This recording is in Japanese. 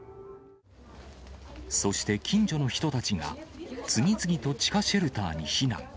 そして近所の人たちが次々と地下シェルターに避難。